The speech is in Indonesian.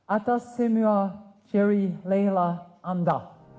atas semua jerry layla anda